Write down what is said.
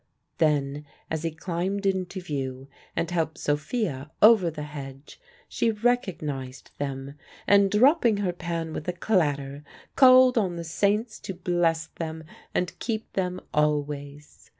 Then, as he climbed into view and helped Sophia over the hedge, she recognised them, and, dropping her pan with a clatter, called on the saints to bless them and keep them always.